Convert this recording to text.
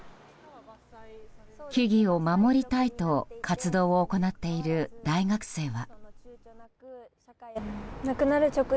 樹々を守りたいと活動を行っている大学生は。